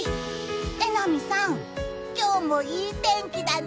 榎並さん、今日もいい天気だね。